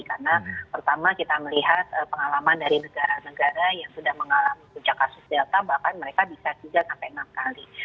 karena pertama kita melihat pengalaman dari negara negara yang sudah mengalami puncak kasus delta bahkan mereka bisa tiga sampai enam kali